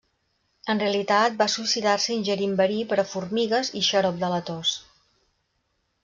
En realitat va suïcidar-se ingerint verí per a formigues i xarop de la tos.